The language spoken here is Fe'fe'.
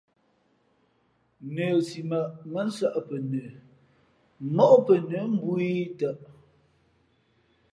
Nəsimα̌ʼ mά nsᾱʼ pαnə móʼ pαnə̌ mbōh ī tαʼ.